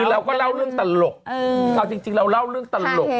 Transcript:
เราก็เล่าเรื่องตลกเอาจริงเราเล่าเรื่องตลก